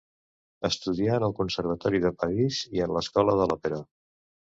Estudià en el Conservatori de París i en l'escola de l'Òpera.